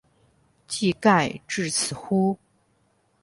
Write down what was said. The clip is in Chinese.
技盖至此乎？